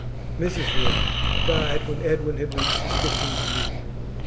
Mrs Reardon died when Edwin had reached his fifteenth year.